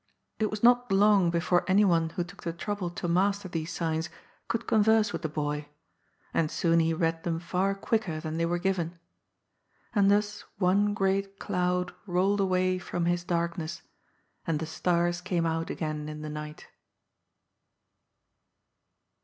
It was not long before anyone who took the trouble to master these signs could converse with the boy, and soon he read them far quicker than they were given. And thus one great cloud rolled away from his darkness, and the stars came out again in the night.